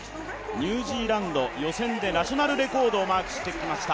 ニュージーランド、予選でナショナルレコードをマークしてきました。